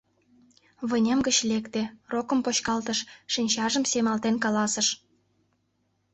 Вынем гыч лекте, рокым почкалтыш, шинчажым семалтен каласыш: